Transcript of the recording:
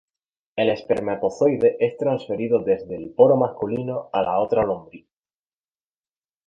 El espermatozoide es transferido desde el poro masculino a la otra lombriz.